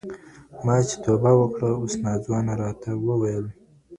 ما چي توبه وکړه اوس ناځوانه راته و ویل